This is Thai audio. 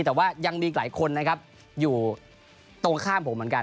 แต่ว่ายังมีอีกหลายคนนะครับอยู่ตรงข้ามผมเหมือนกัน